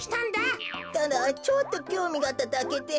ただちょっときょうみがあっただけで。